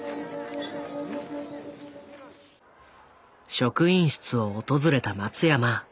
職員室を訪れた松山。